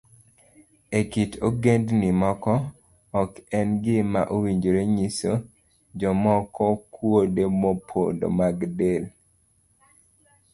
E kit ogendini moko, ok en gima owinjore nyiso jomoko kuonde mopondo mag del.